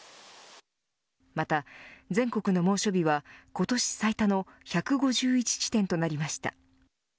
また、全国の猛暑日は今年最多の１５１地点となりました。